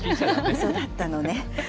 うそだったのね。